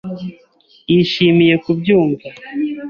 Yishimiye kubyumva.